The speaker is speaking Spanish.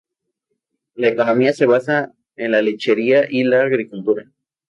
La economía se basa en la lechería y la agricultura.